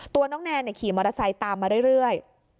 ตัวน้องแนนขี่มอเตอร์ไซค์ตามมาเรื่อย